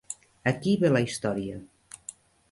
Aquí ve la història